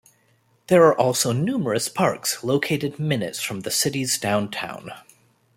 There are also numerous parks located minutes from the city's downtown.